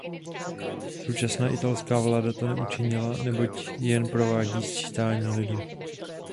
Současná italská vláda to neučinila, neboť jen provádí sčítání lidu.